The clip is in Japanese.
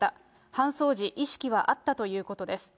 搬送時、意識はあったということです。